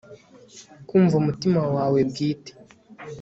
Kumva umutima wawe bwite